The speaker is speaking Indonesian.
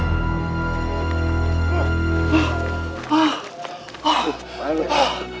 iya kan ibu sudah menipu mereka